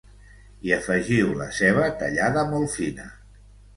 hi afegiu la ceba tallada molt fina